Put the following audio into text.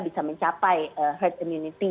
bisa mencapai herd immunity